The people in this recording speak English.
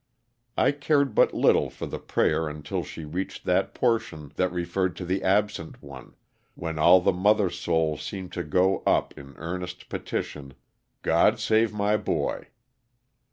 I cared but little for the prayer until she reached that portion that referred to the ab sent one, when all the mother soul seemed to go up LOSS OF THE SULTANA. 63 in earnest petition —'' God save my boy."